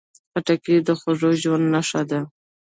خټکی د خوږ ژوند نښه ده.